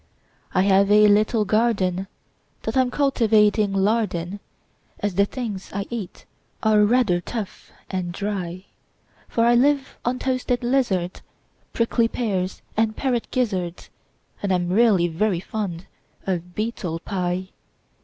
I have a little gardenThat I'm cultivating lard in, As the things I eat are rather tough and dry; For I live on toasted lizards, Prickly pears, and parrot gizzards, And I'm really very fond of beetle pie.